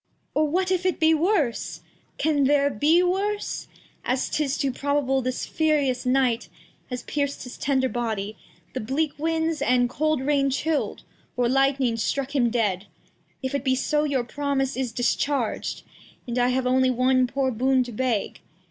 Or, what if it be worse ? As 'tis too probable, this furious Night Has pierc'd his tender Body, the bleak Winds, And cold Rain chill'd, or Lightning struck him dead ; If it be so, your Promise is discharg'd, And I have only one poor Boon to beg.